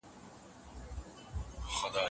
بې له معلوماتو لارښوونه کول سم کار نه دی.